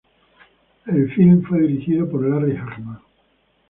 El film fue dirigido por Larry Hagman.